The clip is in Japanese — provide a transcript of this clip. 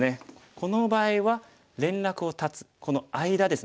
この場合は連絡を断つこの間ですね。